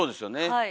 はい。